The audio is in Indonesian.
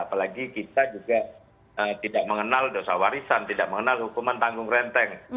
apalagi kita juga tidak mengenal dosa warisan tidak mengenal hukuman tanggung renteng